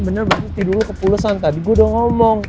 bener berarti tidur lo kepulusan tadi gua udah ngomong